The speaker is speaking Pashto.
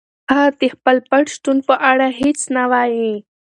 هغه د خپل پټ شتون په اړه هیڅ نه وايي.